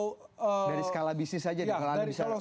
dari skala bisnis saja diperlaluan bisa diceritakan